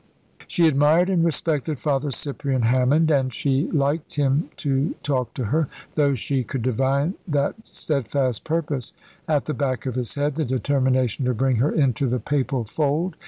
She admired and respected Father Cyprian Hammond, and she liked him to talk to her, though she could divine that steadfast purpose at the back of his head, the determination to bring her into the Papal fold.